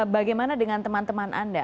bagaimana dengan teman teman anda